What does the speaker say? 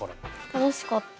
楽しかった。